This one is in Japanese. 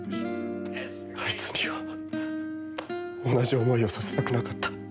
あいつには同じ思いをさせたくなかった。